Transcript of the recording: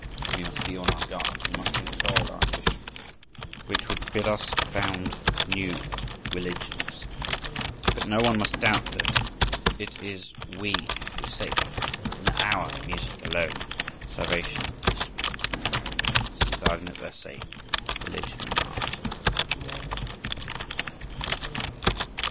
We must be on our guard. We must control our ambition, which would bid us found new religions. But no one must doubt that it is we who save him, that in our music alone salvation is to be found.… (See Wagner's essay, "Religion and Art.")